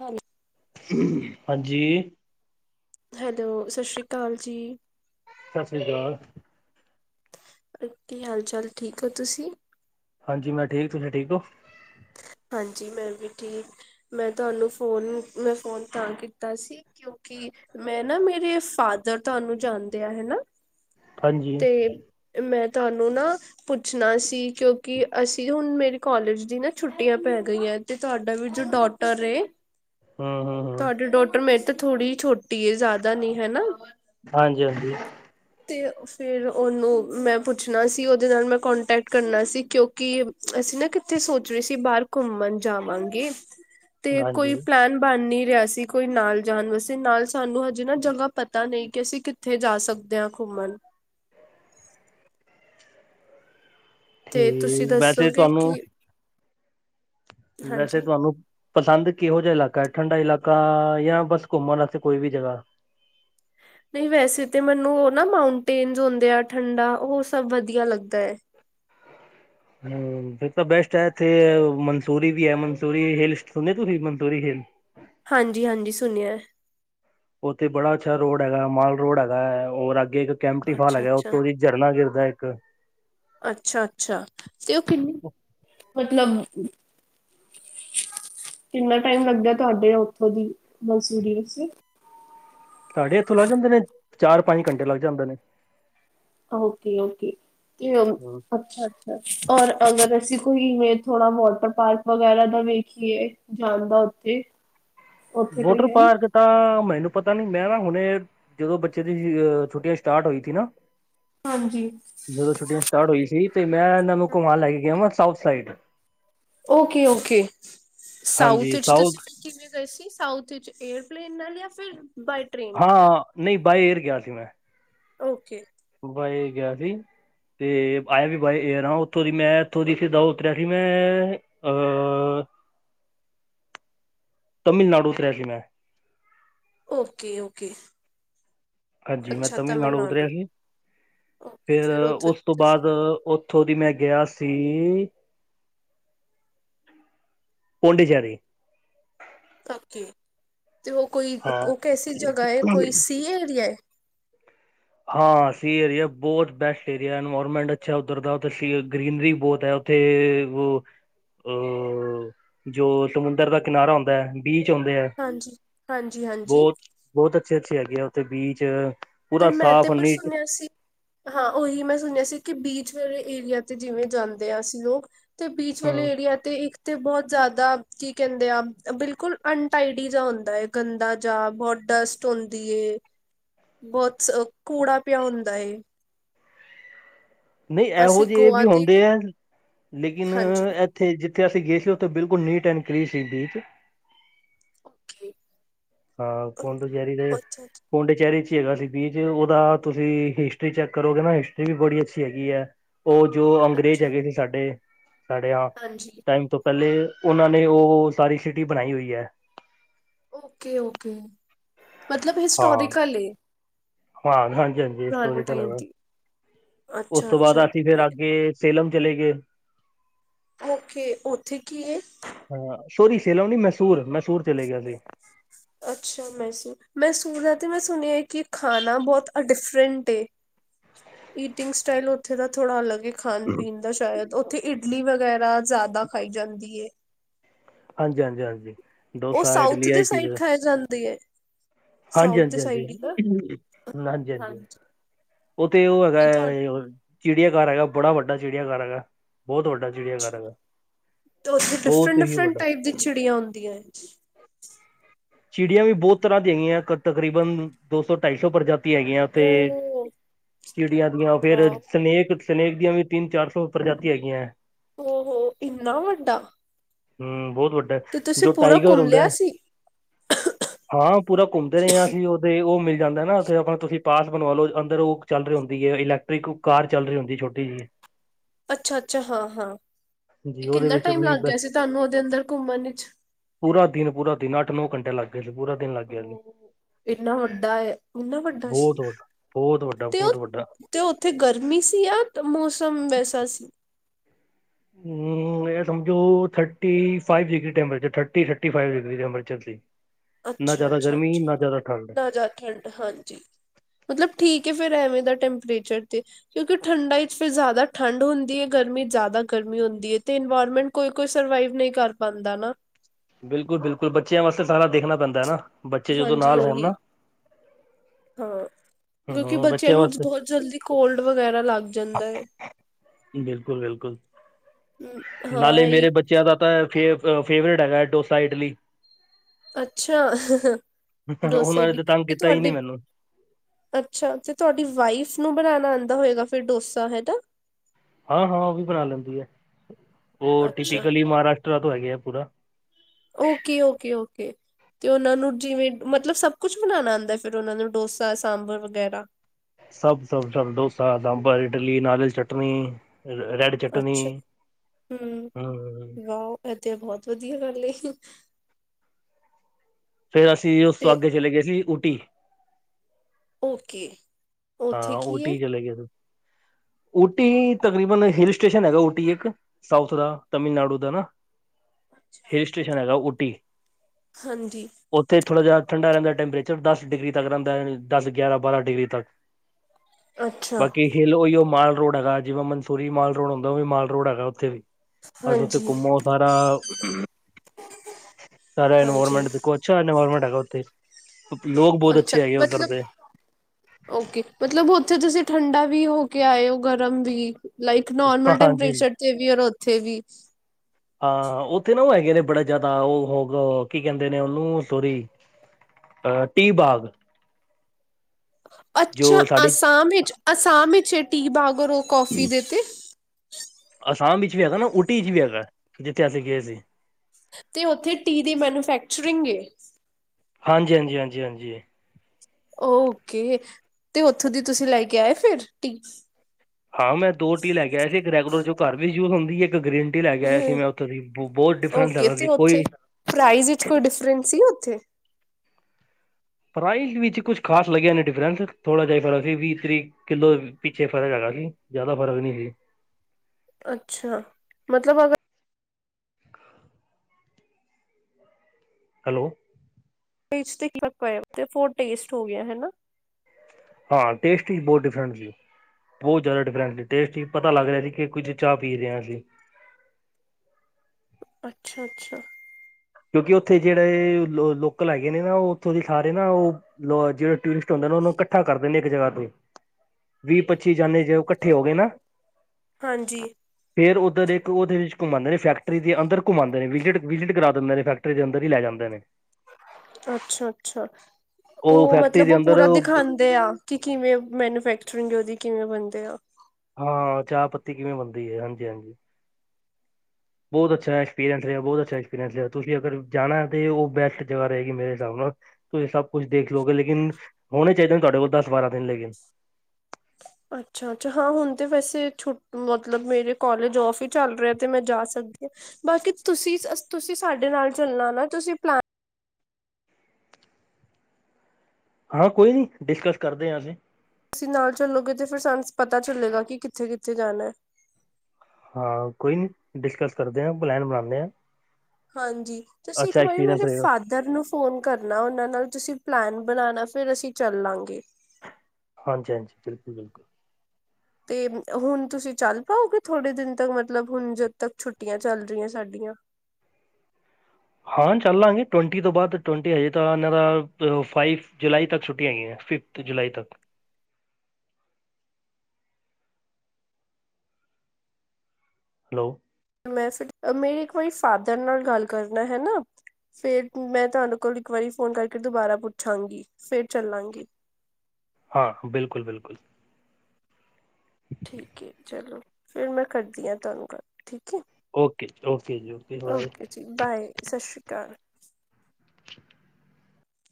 ਹਲੀ ਹਾਂਜੀ? ਹੈਲੋ, ਸਤਿ ਸ਼੍ਰੀ ਅਕਾਲ ਜੀ। ਸਤਿ ਸ਼੍ਰੀ ਅਕਾਲ। ਕੀ ਹਾਲ ਚਾਲ, ਠੀਕ ਹੋ ਤੁਸੀਂ? ਹਾਂਜੀ ਮੈਂ ਠੀਕ, ਤੁਸੀਂ ਠੀਕ ਹੋ? ਹਾਂਜੀ ਮੈਂ ਵੀ ਠੀਕ, ਮੈਂ ਤੁਹਾਨੂੰ ਫੋਨ, ਮੈਂ ਫੋਨ ਤਾਂ ਕੀਤਾ ਸੀ ਕਿਉਂਕਿ, ਮੈਂ ਨਾ ਮੇਰੇ ਫਾਦਰ ਤੁਹਾਨੂੰ ਜਾਣਦੇ ਆ, ਹਨਾ ਹਾਂਜੀ ਤੇ ਮੈਂ ਤੁਹਾਨੂੰ ਨਾ ਪੁੱਛਣਾ ਸੀ, ਕਿਉਂਕਿ ਅਸੀਂ ਹੁਣ ਮੇਰੇ ਕੋਲਜ ਦੀ ਨਾ ਛੁੱਟੀਆਂ ਪੈ ਗਈਆਂ, ਤੇ ਤੁਹਾਡਾ ਵੀ ਜੋ ਡੋਟਰ ਏ ਹਮ, ਹਮ। ਤੁਹਾਡੀੇ ਡੋਟਰ ਮੇਰੇ ਤੋਂ ਥੋੜ੍ਹੀ ਛੋਟੀ ਏ, ਜ਼ਿਆਦਾ ਨੀ, ਹਨਾ। ਹਾਂਜੀ, ਹਾਂਜੀ। ਤੇ ਫਿਰ ਉਹਨੂੰ ਮੈਂ ਪੁੱਛਣਾ ਸੀ, ਉਹਦੇ ਨਾਲ ਮੈਂ ਕੋਂਟੈਕਟ ਕਰਨਾ ਸੀ। ਕਿਉਂਕਿ ਅਸੀਂ ਨਾ ਕਿੱਥੇ ਸੋਚ ਸੋਚ ਰਹੇ ਸੀ, ਬਾਹਰ ਘੁੰਮਣ ਜਾਵਾਂਗੇ, ਤੇ ਹਾਂਜੀ ਕੋਈ ਪਲੈਨ ਬਣ ਨੀ ਰਿਹਾ ਸੀ, ਕੋਈ ਨਾਲ ਜਾਣ ਵਾਸਤੇ, ਨਾਲ ਸਾਨੂੰ ਹਜੇ ਨਾ ਜਗ੍ਹਾ ਪਤਾ ਨਹੀਂ, ਕਿ ਅਸੀਂ ਕਿਥੇ ਕਿਥੇ ਜਾ ਸਕਦੇ ਹਾਂ, ਘੁੰਮਣ। ਤੇ ਤੁਸੀਂ ਠੀਕ, ਵੈਸੇ ਦੱਸੋਗੇ ਤੁਹਾਨੂੰ ਕਿ ਵੈਸੇ ਹਾਂਜੀ ਤੁਹਾਨੂੰ ਪਸੰਦ ਕਿਹੋ ਜਿਹਾ ਇਲਾਕਾ ਹੈ ਠੰਡਾ ਇਲਾਕਾ ਜਾਂ ਬਸ ਘੁੰਮਣ ਵਾਸਤੇ ਕੋਈ ਵੀ ਜਗ੍ਹਾ ਨਈ ਵੈਸੇ ਤੇ ਮੈਨੂੰ ਉਹ ਨਾ ਮਾਊਂਟੇਨ ਹੁੰਦੇ ਆ ਠੰਡਾ ਉਹ ਸਭ ਵਧੀਆ ਲੱਗਦਾ ਹੈ। ਹੂੰ ਫੇਰ ਤਾਂ ਬੈਸਟ ਹੈ ਇੱਥੇ ਮ ਮੰਸੂਰੀ ਵੀ ਹੈ ਮਸੂਰੀ ਹਿਲ ਸੁਣੀ ਤੁਸੀ ਮਸੂਰੀ ਹਿਲ ਹਾਂਜੀ-ਹਾਂਜੀ, ਸੁਣਿਆ ਉੱਥੇ ਬੜਾ ਅੱਛਾ ਰੋਡ ਹੈਗਾ ਮਾਲ ਰੋਡ ਹੈਗਾ ਹੈ ਔਰ ਅੱਗੇ ਕੈਂਪਟੀ ਫਾਲ ਅੱਛਾ ਹੈਗਾ ਅੱਛਾ ਉੱਥੋਂ ਦੀ ਝਰਨਾ ਗਿਰਦਾ ਇੱਕ ਅੱਛਾ-ਅੱਛਾ ਤੇ ਉਹ ਕਿੰਨ, ਮਤਲਬ ਕਿੰਨਾ ਟਾਈਮ ਲੱਗਦਾ ਤੁਹਾਡੇ ਉੱਥੋਂ ਦੀ ਮਨਸੂਰੀ ਵਸਤੇ, ਸਾਡੇ ਇੱਥੋਂ ਲੱਗ ਜਾਂਦੇ ਨੇ ਚਾਰ ਪੰਜ ਘੰਟੇ ਲੱਗ ਜਾਂਦੇ ਨੇ। ਓਕੇ-ਓਕੇ ਅੱਛਾ ਔਰ ਅਗਰ ਅਸੀਂ ਕੋਈ ਵੇ ਥੋੜਾ ਵਾਟਰ ਪਾਰਕ ਵਗੈਰਾ ਦਾ ਵੇਖੀਏ ਜਾਣਦਾ ਉੱਥੇ [unintelligible] ਕੋਈ ਵੋਟਰ ਹੈ ਪਾਰਕ ਤਾਂ ਮੈਨੂੰ ਪਤਾ ਨੀ ਮੈਂ ਨਾ ਹੁਣੇ ਜਦੋਂ ਬੱਚੇ ਦੀਆ ਛੁੱਟੀਆਂ ਸਟਾਰਟ ਹੋਈ ਸੀ ਨਾ, ਹਾਂਜੀ। ਜਦੋਂ ਛੁੱਟੀਆਂ ਸਟਾਰਟ ਹੋਈ ਸੀ ਤੇ ਮੈਂ ਇਹਨਾਂ ਨੂੰ ਘੁੰਮਾਣ ਲੈ ਕੇ ਗਿਆ ਵਾ ਸਾਊਥ ਸਾਈਡ। ਓਕੇ-ਓਕੇ, ਸਾਊਥ ਹਾਂਜੀ ਵਿੱਚ ਤੁਸੀਂ ਸਾਊਥ ਕਿਵੇਂ ਗਏ ਸੀ ਸਾਥ ਵਿੱਚ ਏਅਰਪਲੇਨ ਨਾਲ ਜਾਂ ਫਿਰ ਬ ਹਾਂ, ਨਹੀਂ ਬਾਏ ਏਅਰ ਗਿਆ ਸੀ ਮੈਂ, ਓਕੇ। ਬਏ ਏਅਰ ਗਿਆ ਸੀ। ਤੇ ਆਇਆ ਵੀ ਬਏ ਏਅਰ ਹਾਂ ਉੱਥੋਂ ਦੀ ਮੈਂ ਇਥੋਂ ਦੀ ਸੀ ਦ ਉਤਰਿਆ ਸੀ ਮੈਂ ਅ [unintelligible] ਤਮਿਲਨਾਡੂ ਉਤਰਿਆ ਸੀ ਮੈਂ। ਓਕੇ-ਓਕੇ। ਹਾਂਜੀ ਮੈਂ ਤਾਮਿਲਨਾਡੂ ਉਤਰਰਿਆ ਸੀ ਓਕੇ ਫੇਰ ਫਿਰ ਉੱਥੋਂ ਉਸ ਤੋਂ ਤੁਸੀਂ ਬਾਅਦ ਉੱਥੋਂ ਦੀ ਮੈਂ ਗਿਆ ਸੀ, ਪੌਡੀਚਰੇ ਓਕੇ, ਤੇ ਉਹ ਕੋਈ ਉਹ ਕੈਸੀ ਜਗ੍ਹਾ ਏ ਹਾਂ ਕੋਈ ਸੀ ਏਰੀਆ ਐ। ਹਾਂ ਸੀ ਏਰੀਆ ਬਹੁਤ ਬੈਸਟ ਏਰੀਆ ਇਨਵਾਇਰਮੈਂਟ ਅੱਛਾ ਉੱਧਰ ਦਾ ਤੇ ਸੀ ਗ੍ਰਰੀਨਰੀ ਬਹੁਤ ਹੈ। ਤੇ ਵੋ ਅਹ ਜੋ ਸਮੁੰਦਰ ਦਾ ਕਿਨਾਰਾ ਹੁੰਦਾ ਹੈ, ਬੀਚ ਆਉਂਦੇ ਐ ਹਾਂਜੀ, ਹਾਂਜੀ, ਹਾਂਜੀ ਬਹੁਤ ਬਹੁਤ ਅੱਛੇ-ਅੱਛੇ ਹੈਗੇ ਆ ਉੱਥੇ ਬੀਚ ਤੇ ਪੂਰਾ ਮੈਂ ਤੇ ਸਾਫ਼ ਪਰ ਨੀਟ ਸੁਣਿਆ ਸੀ, ਹਾਂ ਉਹੀ ਮੈਂ ਸੁਣਿਆ ਸੀ ਕਿ ਬੀਚ ਵਾਲੇ ਏਰੀਆ ਤੇ ਜਿਵੇਂ ਜਾਂਦੇ ਹਾਂ ਅਸੀਂ ਲੋਕ ਤੇ ਬੀਚ ਵਾਲੇ ਹਾਂ ਏਰੀਆ ਤੇ ਇੱਕ, ਤੇ ਬਹੁਤ ਜ਼ਿਆਦਾ ਕੀ ਕਹਿੰਦੇ ਆ ਬਿਲਕੁਲ ਅਨਟਾਈਡੀ ਜਾ ਹੁੰਦਾ ਹੈ ਗੰਦਾ ਜਾ ਬਹੁਤ ਡਸਟ ਧੋਂਦੀ ਏ ਬਹੁਤ ਸ ਕੌੜਾ ਪਿਆ ਹੁੰਦਾ ਏ, ਨਹੀ ਇਹੋ ਅਸੀਂ ਜਿਹੇ ਵੀ ਗੋਆ ਤੇ ਹੁੰਦੇ ਐ ਲੇਕਿਨ ਹਾਂਜੀ ਤੇ ਜਿੱਥੇ ਅਸੀਂ ਗਏ ਸੀ ਉੱਥੇ ਬਿਲਕੁਲ ਨੀਟ ਐਂਡ ਕਲੀਨ ਸੀ ਬੀਚ ਓਕੇ। ਹਾਂ ਪੌਡੋਚੈਰੀ ਦੇ, ਅੱਛਾ ਅੱਛਾ ਪੋਂਡੇਚਹਿਰੀ ਚ ਹੀ ਹੈਗਾ ਸੀ ਬੀਚ ਉਹਦਾ ਤੁਸੀਂ ਹਿਸਟਰੀ ਚੈੱਕ ਕਰੋਗੇ ਨਾ ਹਿਸਟਰੀ ਵੀ ਬੜੀ ਅੱਛੀ ਹੈਗੀ ਹੈ। ਉਹ ਜੋ ਅੰਗਰੇਜ਼ ਅੱਛਾ, ਹੈਗੇ ਸੀ ਸਾਡੇ ਸਾਡੇ ਹਾਂ ਹਾਂਜੀ ਟਾਈਮ ਤੋਂ ਪਹਿਲੇ ਉਹਨਾਂ ਨੇ ਉਹ ਉਹ ਸਾਰੀ ਸਿਟੀ ਬਨਾਈ ਹੋਈ ਐ ਓਕੇ ਓਕੇ ਮਤਲਬ ਹਾਂ। ਏਹਿਸਟੋਰੀਕਲ ਏ ਹਾਂ ਹਾਂਜੀ-ਹਾਂਜੀ ਇਸ ਤੋਂ ਪੁਰਾਣੇ ਵੀ ਟਾਈਮ ਪਹਲੇ ਦੀ ਉਸ ਅੱਛਾ ਤੋਂ ਬਾਅਦ ਅੱਛਾ ਅਸੀਂ ਫਿਰ ਅਗੇ ਸੇਲਮ ਚਲੇ ਗਏ ਓਕੇ, ਉੱਥੇ ਕੀ ਏ ਹਾਂ ਸੋਰੀ ਸੇਲਮ ਨੀ ਮੈਸੂਰ ਮੈਸੂਰ ਚਲੇ ਗੇਆ ਸੀ ਅੱਛਾ ਮੈਸੂਰ ਮੈਸੂਰ ਦਾ ਤੇ ਮੈਂ ਸੁਣਿਆ ਤੇ ਕਿ ਖਾਣਾ ਬਹੁਤ ਡਿਫਰੈਂਟ ਏ ਇਟਿੰਗ ਸਟਾਈਲ ਉੱਥੇ ਦਾ ਥੋੜ੍ਹਾ ਅਲੱਗ ਏ ਖਾਨ ਪੀਨ ਦਾ ਸ਼ਾਇਦ ਉੱਥੇ ਇਡਲੀ ਵਗੈਰਾ ਜ਼ਿਆਦਾ ਖਾਈ ਜਾਂਦੀ ਏ ਹਾਂਜੀ ਹਾਂਜੀ ਹਾਂਜੀ ਡੋਸਾ ਇਡਲੀ ਐ ਚੀਜ਼ ਪੈ ਜਾਂਦੀ ਏ ਹਾਂਜੀ ਸਾਊਥ ਦੇ ਹਾਂਜੀ ਹਾਂਜੀ ਸਾਈਡ ਹੀ ਨਾ। ਹਾਂਜੀ ਹਾਂਜੀ ਉਹ ਤੇ ਉਹ ਹੈਗਾ ਤੁਹਾ ਏ ਤੇ ਚਿੜੀਆ ਘਰ ਹੈਗਾ ਬੜਾ ਵੱਡਾ ਚਿੜਆ ਘਰ ਹੈਗਾ ਬਹੁਤ ਵੱਡਾ ਚਿੜੀਆ ਘਰ ਹੈਗਾ, ਤੇ ਉੱਥੇ ਬਹੁਤ ਡਿਫਰੈਂਟ ਹੀ ਡਿਫਰੈਂਟ ਵੱਡਾ। ਟਾਈਪ ਦੀ ਚਿੜੀਆਂ ਹੁੰਦੀਆਂ ਏ ਚਿੜੀਆਂ ਵੀ ਬਹੁਤ ਤਰ੍ਹਾਂ ਦੀਆਂ ਹੈਗੀਆਂ ਤਕਰੀਬਨ ਦੋ ਸੌ ਢਾਈ ਸੌ ਪ੍ਰਜਾਤੀ ਤੀ ਹੈਗੀਆਂ ਉੱਥੇ ਓ ਚਿੜੀਆਂ ਦੀਆਂ ਉਹ ਵਾਓ ਫੇਰ ਸਨੇਕ ਸਨੇਕ ਦੀਆਂ ਵੀ ਤਿੰਨ ਚਾਰ ਸੌ ਪ੍ਰਜਾਤੀ ਹੈਗੀਆਂ ਏ ਉਹੋ ਇੰਨਾ ਵੱਡਾ ਹਮ ਬਹੁਤ ਵੱਡਾ ਤੇ ਤੁਸੀਂ ਜੋ ਪੂਰਾ ਟਾਈਗਰ ਘੁੰਮ ਹੁੰਦਾ ਲਿਆ ਸੀ ਹਾਂ ਪੂਰਾ ਘੁੰਮਦੇ ਰਹੇ ਆ ਅਸੀਂ ਉਹਦੇ ਉਹ ਮਿਲ ਜਾਂਦਾ ਨਾ ਉੱਥੇ ਆਪਣਾ ਤੁਸੀਂ ਪਾਸ ਬਣਵਾ ਲਓ ਅੰਦਰ ਉਹ ਚੱਲ ਰਹੀ ਹੁੰਦੀ ਏ ਇਲੈਕਟ੍ਰਿਕ ਕਾਰ ਚੱਲ ਰਹੀ ਹੁੰਦੀ ਏ ਛੋਟੀ ਜਿਹੀ [inaudible] ਅੱਛਾ-ਅੱਛਾ ਹਾਂ-ਹਾਂ ਤੇ ਜੀ ਉਹਦੇ ਕਿੰਨਾ ਵਿੱਚ ਟਾਈਮ ਤੁਸੀਂ ਲੱਗ ਗਿਆ ਸੀ ਤੁਹਾਨੂੰ ਉਹਦੇ ਅੰਦਰ ਘੁੰਮਣ ਇੱਚ ਪੂਰਾ ਦਿਨ ਪੂਰਾ ਦਿਨ ਅੱਠ ਨੌ ਘੰਟੇ ਲੱਗ ਬਿਲ ਪੂਰਾ ਦਿਨ ਲੱਗ ਗਿਆ ਸੀ ਹੋ ਏਨਾ ਵੱਡਾ ਹੈ ਇੰਨਾ ਵੱਡਾ ਸੀ ਬਹੁਤ ਵੱਡਾ, ਬਹੁਤ ਵੱਡਾ, ਤੇ ਉਹ ਬਹੁਤ ਵੱਡਾ ਤੇ ਉੱਥੇ ਗਰਮੀ ਸੀ ਯਾ ਮੌਸਮ ਵੈਸਾ ਸੀ ਹਮ ਹੁਨੇ ਇਹ ਸਮਝੋ thirty five degree temperature thirty thirty five ਡਿਗ ਟੈਂਪਰੇਚਰ ਸੀ ਨਾ ਅੱਛਾ ਜ਼ਿਆਦਾ ਅੱਛਾ ਗਰਮੀ ਅੱਛਾ ਨਾ ਜ਼ਿਆਦਾ ਠੰਡ ਨਾ ਜਾ ਠੰਡ ਹਾਂਜੀ ਮਤਲਬ ਠੀਕ ਏ ਫੇਰ ਐਵੇਂ ਦਾ ਟੈਂਪਰੇਚਰ ਤੇ ਕਿਉਂਕਿ ਠੰਡਾ ਇਚ ਫਿਰ ਜ਼ਿਆਦਾ ਠੰਢ ਹੁੰਦੀ ਏ ਗਰਮੀ ਚ ਜ਼ਿਆਦਾ ਗਰਮੀ ਹੁੰਦੀ ਏ ਤੇ ਇਨਵਾਇਰਮੈਂਟ ਕੋਈ ਕੋਈ ਸਰਵਾਈਵ ਨਹੀਂ ਕਰ ਪਾਦਾ ਨਾ ਬਿਲਕੁਲ ਬਿਲਕੁਲ ਬੱਚਿਆਂ ਵਾਸਤੇ ਸਾਰਾ ਦੇਖਣਾ ਪੈਂਦਾ ਏ ਨਾ ਬੱਚੇ ਜਦੋਂ ਹਾਂਜੀ ਨਾਲ ਹੋਣ ਉਹੀ ਨਾ ਹਾਂ ਕਿਉਂਕਿ ਹੂੰ ਬੱਚਿਆਂ ਨੂੰ ਵਾਸਤੇ ਬਹੁਤ ਜਲਦੀ ਕੋਲਡ ਵਗੈਰਾ ਲੱਗ ਜਾਂਦਾ ਏ ਬਿਲਕੁਲ ਬਿਲਕੁਲ ਹਮ, ਹਾਂ ਨਾਲੇ ਇਹੀ ਮੇਰੇ ਬੱਚੇ ਜ਼ਿਆਦਾ ਤਾਂ ਫੇ ਫੇਵਰੇਟ ਹੈਗਾ ਡੋਸਾ ਇਡਲੀ ਅੱਛਾ ਡੋਸੇ ਉਹਨਾਂ ਨੇ ਵੀ ਤੰਗ ਤੇ ਕੀਤਾ ਹੀ ਨੀ ਤੁਹਾਡੇ ਮੈਨੂੰ ਅੱਛਾ ਤੇ ਤੁਹਾਡੀ ਵਾਈਫ ਨੂੰ ਬਨਾਨਾ ਆੰਦਾ ਹੋਏਗਾ ਫਿਰ ਡੋਸਾ ਹੈ ਨਾ ਹਾਂ ਹਾਂ ਉਹ ਵੀ ਬਨਾ ਲੈਂਦੀ ਏ ਉਹ ਅੱਛਾ ਟਿਪੀਕਲੀ ਮਹਾਰਾਸ਼ਟਰ ਤੋਂ ਹੈਗੇ ਆ ਪੂਰਾ ਓਕੇ, ਓਕੇ, ਓਕੇ। ਤੇ ਓਨਾਂ ਨੂੰ ਜਿਵੇਂ, ਮਤਲਬ ਸਭ ਕੁਛ ਬਨਾਨਾ ਆਂਦੈ, ਫਿਰ ਓਨਾਂ ਨੂੰ ਡੋਸਾ, ਸਾਂਬਰ ਵਗੈਰਾ। ਸਭ, ਸਭ, ਸਭ-ਡੋਸਾ‌, ਸਾਂਬਰ, ਇਡਲੀ, ਨਾਰੀਅਲ ਚਟਨੀ, ਰੈਡ। ਚਟਨੀ, ਅੱਛਾ ਹਾ। ਐ ਤੇ ਬੋਤ ਵਦੀਆ ਗੱਲ ਏ। ਫੇਰ ਅਸੀਂ ਉਸ ਤੋਂ ਤੇ ਅੱਗੇ ਚਲੇ ਗਏ ਸੀ, ਊਟੀ। ਓਕੇ। ਉੱਥੇ ਹਾਂ, ਕੀ ਏ ਓਟੀ ਚਲੇ ਗਏ, ਊਟੀ ਤਕਰੀਬਨ ਹਿਲ ਸਟੇਸ਼ਨ ਹੈਗਾ, ਊਟੀ ਇੱਕ। ਸਾਊਥ ਦਾ, ਤਾਮਿਲਨਾਡੂ ਦਾ ਨਾ, ਹਿਲ ਸਟੇਸ਼ਨ ਹੈਗਾ ਓਟੀ। ਹਾਂਜੀ। ਓਥੇ ਥੋੜ੍ਹਾ ਜੇਆ ਠੰਡਾ ਰੈੰਦੈ, ਟੈਂਪਰੇਚਰ ਦਸ ਡਿਗਰੀ ਤੱਕ ਰੈੰਦੈ, ਦਸ- ਗਿਆਰਾ- ਬਾਰਾਂ ਡਿਗਰੀ ਤੱਕ। ਅੱਛਾ ਬਾਕੀ ਹੇਲੋ, ਓਈਓ ਮਾਲ ਰੋਡ ਹੈਗਾ। ਜਿਵੇਂ ਮਨਸੂਰੀ ਮਾਲ ਰੋਡ ਹੁੰਦਾ, ਓ ਵੀ ਮਾਲ ਰੋਡ ਹੈਗਾ ਉੱਥੇ ਵੀ। ਅਜ ਉੱਥੇ ਹਾਂਜੀ ਘੁੰਮੋ, ਸਾਰਾ-ਸਾਰਾ ਹਾਂਜੀ ਇਨਵੋਰਮੈਂਟ ਦੇਖੋ। ਅੱਛਾ ਇਨਵਾਇਰਮੈਂਟ ਹੈਗਾ ਉੱਥੇ, ਉਪਯੋਗ ਬੋਹਤ ਅੱਛਾ ਅੱਛੇ ਹੈਗੇ ਓੱਧਰ ਮਤਲਬ ਦੇ। ਓਕੇ, ਮਤਲਬ ਓਥੇ ਤੁਸੀਂ ਠੰਡਾ ਵੀ ਹੋ ਕੇ ਆਏ ਓ, ਗਰਮ ਵੀ। ਲਾਈਕ ਨੋਰਮਲ ਹਾਂਜੀ ਟੈਂਪਰੇਚਰ 'ਤੇ ਵੀ ਔਰ ਓੱਥੇ ਵੀ। ਹਾ, ਓੱਥੇ ਨਾ ਉਹ ਹੈਗੇ ਨੇ ਬੜੇ ਜਾਦਾ ਓ ਹੁਗ, ਕੀ ਕਹਿੰਦੇ ਨੇ ਓਨੂੰ, ਸੋਰੀ? ਅਹ, ਟੀ-ਬਾਗ। ਅੱਛਾ, ਸਾਡੀ ਅਸਾਮ ਵਿੱਚ, ਅਸਾਮ ਵਿੱਚ ਏ ਟੀ-ਬਾਗ ਔਰ ਕੋਫੀ ਦੇ ਤੇ? ਅਸਾਮ ਵਿੱਚ ਵੀ ਹੈਗਾ ਨਾ, ਊਟੀ ਵਿੱਚ ਵੀ ਹੈਗਾ, ਜਿੱਥੇ ਅਸੀਂ ਗਏ ਸੀ। 'ਤੇ ਓੱਥੇ ਟੀ ਦੀ ਮੈਨੂਫੈਕਚਰਿੰਗ ਏ। ਹਾਂਜੀ, ਹਾਂਜੀ, ਹਾਂਜੀ, ਹਾਂਜੀ। ਓਕੇ, 'ਤੇ ਓਥੋਂ ਦੀ ਤੁਸੀਂ ਲੈ ਕੇ ਆਏ ਫਿਰ, ਟੀਕਸ? ਹਾਂ, ਮੈਂ ਦੋ ਟੀ ਲੈ ਕੇ ਆਇਆ ਸੀ, ਇੱਕ ਰੈਗੂਲਰ ਜੋ ਘਰ ਵੀ ਯੂਜ ਹੁੰਦੀ ਏ, ਇੱਕ ਗ੍ਰੀਨ। ਟੀ ਲੈ ਕੇ ਆਇਆ ਸੀ ਹੂੰ ਮੈਂ ਓਥੋਂ ਦੀ, ਬੋਹਤ ਡਿਫਰੈਂਟ ਤਰ੍ਹਾ ਦੀ ਕੋਈ। ਸਰਿੰਜ ਸੀ ਉਥੇ? ਪ੍ਰਾਈਜ਼ ਵਿੱਚ ਕੁਛ ਖਾਸ ਲੱਗਿਆ ਨੇ ਡਿਫਰੈਂਸ, ਥੋੜਾ ਜੇਆ ਈ ਫਰਕ ਏ, ਵੀਹ-ਤਰੀਹ। ਕਿੱਲੋ ਪਿੱਛੇ ਫ਼ਰਕ ਹੈਗਾ ਸੀ, ਜਾਦਾ ਫਰਕ ਨਈ ਸੀ। ਅੱਛਾ, ਮਤਲਬ ਅਗਰ ਹੈਲੋ! ਪੇਜ 'ਤੇ ਕੀ ਪਾ ਪਾਇਆ ਤੇ ਫੋਰ ਟੇਸਟ ਹੋ ਗਿਐ, ਹੈਨਾ? ਹਾਂ, ਟੇਸਟ ਈ ਬਹੁਤ ਡਿਫਰੈਂਟ ਸੀ। ਬੋਤ ਜਾਦਾ ਡਿਫਰੈਂਟ ਟੇਸਟ ਸੀ, ਪਤਾ ਲੱਗ ਰੇਆ ਸੀ ਕੇ ਕੁੱਝ ਚਾਅ ਪੀ ਰੇ ਆ ਅਸੀਂ। ਅੱਛਾ-ਅੱਛਾ। ਕਿਉਂਕਿ ਉੱਥੇ ਜੇੜੇ ਲੋ ਲੋਕਲ ਹੈਗੇ ਨੇ ਨਾ, ਉਹ ਉੱਥੋਂ ਦੀ ਸਾਰੇ ਨਾ ਓ ਲਓ, ਜੇਹੜੇ ਟੂਰਿਸਟ ਹੁੰਦੇ ਨੇ, ਉਨੂੰ ਕੱਠਾ ਕਰਦੇ ਨੇ ਇੱਕ ਜਗ੍ਹਾ 'ਤੇ। ਵੀਹ- ਪੱਚੀ ਜਾਨੇ ਜੋ ਕੱਠੇ ਹੋ ਗਏ ਨਾ ਹਾਂਜੀ। ਫੇਰ ਉੱਧਰ, ਇੱਕ ਓਦੇ ਵਿੱਚ ਘੁੰਮਾਂਦੇ ਨੇ, ਫੈਕਟਰੀ ਦੇ ਅੰਦਰ ਘੁੰਮਾਂਦੇ ਨੇ‌‌, ਵਿਜਿਟ- ਵਿਜਿਟ ਕਰਾ 'ਤੇ ਮੇਰੀ ਫੈਕਟਰੀ ਦੇ ਅੰਦਰ ਈ ਲੈ ਜਾਂਦੇ ਨੇ। ਅੱਛਾ-ਅੱਛਾ, ਉਹ ਓ ਫੈਕਟਰੀ ਮਤਲਬ ਦੇ ਉਹ ਅੰਦਰ ਪੂਰਾ ਦਿਖਾਂਦੇ ਆ। ਕਿ ਕਿਵੇਂ ਮੈਨੂਫੈਕਚਰਿੰਗ, ਉਹਦੀ ਕਿਵੇਂ ਬਨੰਦੇ ਆ। ਹਾਂ, ਚਾਹ ਪੱਤੀ ਕਿਵੇਂ ਬਨਦੀ ਏ, ਹਾਂਜੀ- ਹਾਂਜੀ। ਬੋਤ ਅੱਛਾ ਐਕਸਪੀਰੀਅੰਸ ਰੇਆ, ਬੋਤ ਅੱਛਾ ਐਕਸਪੀਰੀਅੰਸ ਲੇਆ। ਤੁਸੀਂ ਅਗਰ ਜਾਨੈ ਤੇ ਓ ਬੈਸਟ ਜਗ੍ਹਾ ਰਏਗੀ ਮੇਰੇ ਹਿਸਾਬ ਨਾਲ। ਤੁਸੀ ਸਭ ਕੁੱਛ ਦੇਖ ਲੋਗੇ ਲੇਕਿਨ, ਹੋਨੇ ਚਾਈਦੇ ਨੇ ਤੁਹਾਡੇ ਕੋਲ ਦਸ -ਬਾਰਾਂ ਦਿਨ ਲੇਕਿਨ। ਅੱਛਾ ਅੱਛਾ ਹਾਂ ਹੁਣ ਤੇ ਵੈਸੇ ਛੁ ਮਤਲਬ ਮੇਰੇ ਕੋਲੇਜ ਔਫ ਹੀ ਚੱਲ ਰਏ, ਤੇ ਮੈਂ ਜਾ ਸਕਦੀ ਹਾਂ ਬਾਕੀ ਤੁਸੀਂ ਤੁਸੀਂ ਸਾਡੇ ਨਾਲ ਚੱਲਣਾ ਨਾ ਤੁਸੀਂ ਪਲਾਨ ਹਾਂ ਕੋਈ ਨੀ, ਡਿਸਕਸ ਕਰਦੇ ਆਂ ਅਸੀਂ ਤੁਸੀਂ ਨਾਲ ਚੱਲੋਗੇ ਤੇ ਫਿਰ ਸਾਨੂੰ ਪਤਾ ਚੱਲੇਗਾ, ਕੀ ਕਿੱਥੇ ਕਿੱਥੇ ਜਾਣਾ ਹੈ ਹਾਂ ਕੋਈ ਨੀ ਡਿਸਕਸ ਕਰਦੇ ਆਂ, ਪਲੈਨ ਬਣਾਉਂਦੇ ਆ ਹਾਂਜੀ ਤੁਸੀਂ ਇੱਕ ਵਾਰੀ ਮੇਰੇ ਰਹੇਗਾ ਫਾਦਰ ਫਾਦਰ ਨੂੰ ਫ਼ੋਨ ਕਰਨਾ, ਉਹਨਾਂ ਨਾਲ ਤੁਸੀਂ ਪਲੈਨ ਬਣਾਉਣਾ ਫਿਰ ਅਸੀਂ ਚੱਲਾਂਗੇ ਹਾਂਜੀ ਹਾਂਜੀ ਬਿਲਕੁਲ ਬਿਲਕੁਲ ਤੇ ਹੁਣ ਤੁਸੀਂ ਚੱਲ ਪਾਓਗੇ ਥੋੜੇ ਦਿਨ ਤੱਕ, ਮਤਲਬ ਹੁਣ ਜਦ ਤੱਕ ਛੁੱਟੀਆਂ ਚੱਲ ਰਹੀਆਂ ਸਾਡੀਆਂ ਹਾਂ ਚੱਲ ਲਾਂਗੇ, ਟਵੰਟੀ ਤੋਂ ਬਾਅਦ ਟਵੰਟੀ ਹਜੇ ਤਾਂ ਇਹਨਾਂ ਦਾ ਫਾਈਵ ਜੁਲਾਈ ਤੱਕ ਛੁੱਟਿਆਂ ਹੈਗੀਆਂ ਐ ਫਿਫਥ ਜੁਲਾਈ ਤੱਕ ਹੈਲੋ ਮੈਂ ਫਿਰ, ਮੇਰੀ ਇੱਕ ਵਾਰੀ ਫਾਦਰ ਨਾਲ ਗੱਲ ਕਰਨਾ ਹੈ ਨਾ ਫੇਰ ਮੈਂ ਤੁਹਾਨੂੰ ਕੋਲ ਇੱਕ ਵਾਰੀ ਫ਼ੋਨ ਕਰਕੇ ਦੁਬਾਰਾ ਪੁੱਛਾਂਗੀ, ਫੇਰ ਚੱਲਾਂਗੀ ਹਾਂ ਬਿਲਕੁਲ ਬਿਲਕੁਲ ਠੀਕ ਏ, ਚਲੋ ਫਿਰ ਮੈਂ ਕਰਦੀ ਆਂ ਤੁਹਾਨੂੰ ਕੱਲ ਠੀਕ ਹੈ, ਓਕੇ ਓਕੇ ਜੀ ਬਾਏ ਓਕੇ ਜੀ, ਬਾਏ ਸਤਿ ਸ਼੍ਰੀ ਅਕਾਲ।